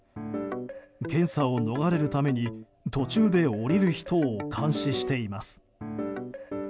検査を逃れるために途中で降りる人を監視しています。